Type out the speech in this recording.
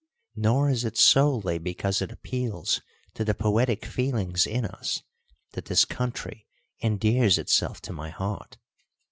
Nor is it solely because it appeals to the poetic feelings in us that this country endears itself to my heart.